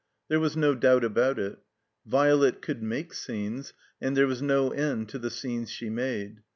There was no doubt about it, Violet could make scenes, and there was no end to the scenes she made.